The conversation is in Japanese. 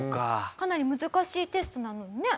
かなり難しいテストなのにね。